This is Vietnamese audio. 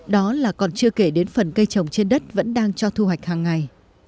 đó là còn chưa kể đến phần cây trồng trên đất vẫn đang cho thu hoạch hàng ngày